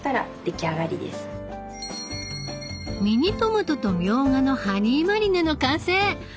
ミニトマトとみょうがのハニーマリネの完成！